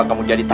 kalo ardi mati